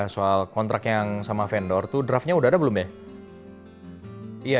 soal kontrak yang sama vendor itu draftnya udah ada belum deh